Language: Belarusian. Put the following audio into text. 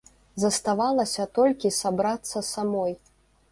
Заставалася толькі сабрацца самой.